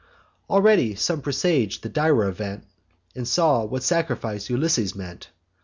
Already some presag'd the dire event, And saw what sacrifice Ulysses meant.